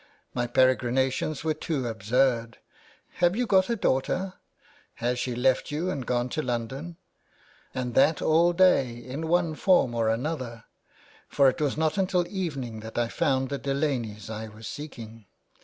My peregrinations were too absurd. ' Have you got a daughter ? Has she 409 THE WAY BACK. left you and gone to London ?' And that all day in one form or another, for it was not until evening that I found the Delaneys I was seeking.